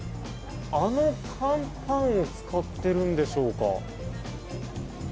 あのカンパンを使っているんでしょうか？